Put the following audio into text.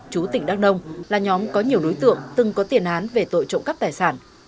chú tỉnh đắk nông là nhóm có nhiều đối tượng từng có tiền án về tội trộm cắp tài sản